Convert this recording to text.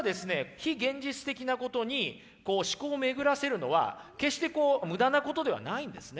非現実的なことに思考を巡らせるのは決して無駄なことではないんですね。